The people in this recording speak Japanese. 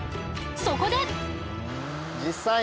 そこで！